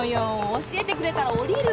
教えてくれたら降りるから。